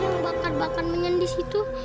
apa sih yang bakar bakan menyendis itu